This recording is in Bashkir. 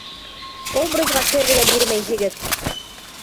Образға керергә бирмәйһегеҙ!